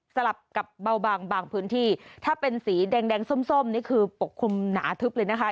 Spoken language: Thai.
สลับกับเบาบางบางพื้นที่ถ้าเป็นสีแดงส้มนี่คือปกคลุมหนาทึบเลยนะคะ